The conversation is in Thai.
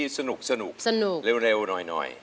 สนุกเร็วหน่อย